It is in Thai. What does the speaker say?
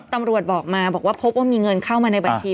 ตำรวจบอกมาบอกว่าพบว่ามีเงินเข้ามาในบัญชี